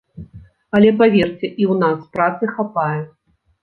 Але паверце, і ў нас працы хапае.